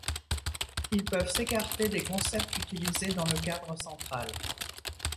Ils peuvent s’écarter des concepts utilisés dans le cadre central.